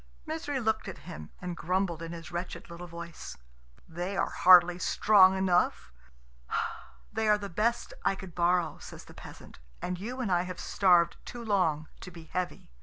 Misery looked at him and grumbled in his wretched little voice, "They are hardly strong enough," "They are the best I could borrow," says the peasant; "and you and I have starved too long to be heavy."